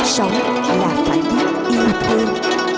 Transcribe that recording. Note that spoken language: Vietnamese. sống là phải biết yêu thương